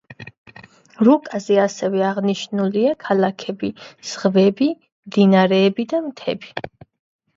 რუკაზე ასევე აღნიშნულია ქალაქები, ზღვები, მდინარეები და მთები.